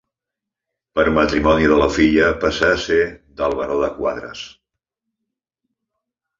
Per matrimoni de la filla passà a ser del Baró de Quadres.